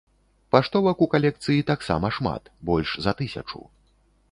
Паштовак у калекцыі таксама шмат, больш за тысячу.